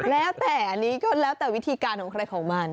แล้วแต่อันนี้ก็แล้วแต่วิธีการของใครของมัน